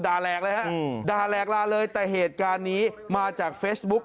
แหลกเลยฮะด่าแหลกลาเลยแต่เหตุการณ์นี้มาจากเฟซบุ๊ก